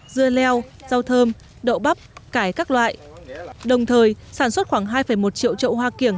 dưa leo rau thơm đậu bắp cải các loại đồng thời sản xuất khoảng hai một triệu trậu hoa kiểng